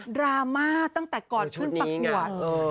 ดราม่าตั้งแต่ก่อนขึ้นประกวด